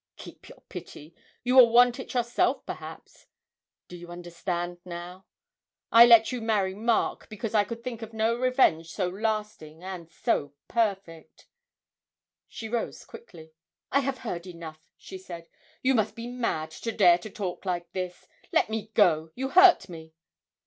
Keep your pity, you will want it yourself perhaps! Do you understand now? I let you marry Mark, because I could think of no revenge so lasting and so perfect!' She rose quickly. 'I have heard enough,' she said: 'you must be mad to dare to talk like this.... Let me go, you hurt me.'